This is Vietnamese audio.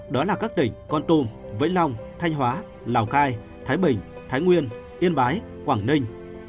đó là các tỉnh con tum vĩnh long thanh hóa lào cai thái bình thái nguyên yên bái quảng ninh